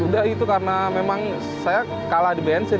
udah itu karena memang saya kalah di bensin